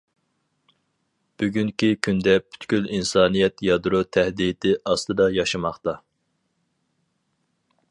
بۈگۈنكى كۈندە پۈتكۈل ئىنسانىيەت يادرو تەھدىتى ئاستىدا ياشىماقتا.